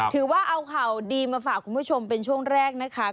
ถือว่าเอาข่าวดีมาฝากคุณผู้ชมเป็นช่วงแรกนะคะ